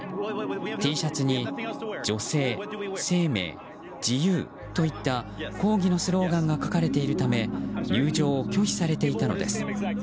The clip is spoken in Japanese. Ｔシャツに「女性、生命、自由」といった抗議のスローガンが書かれているため入場を拒否されていたのです。